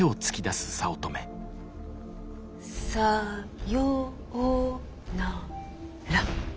さようなら。